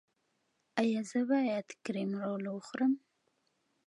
ایا زه باید کریم رول وخورم؟